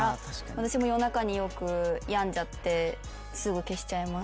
私も夜中によく病んじゃってすぐ消しちゃいます。